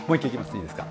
いいですか。